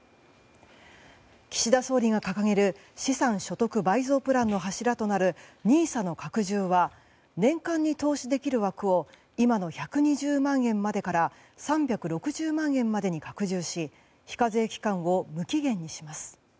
岸田総理が掲げる資産所得倍増プランの柱となるＮＩＳＡの拡充は年間に投資できる額を今の１２０万円から３６０万円までに拡充し非課税期間を無期限にします。